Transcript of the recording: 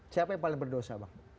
siapa yang paling berdosa bang